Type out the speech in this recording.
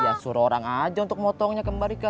ya suruh orang aja untuk potongnya mbak rika